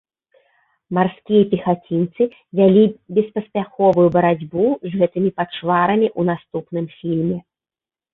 Марскія пехацінцы вялі беспаспяховую барацьбу з гэтымі пачварамі ў наступным фільме.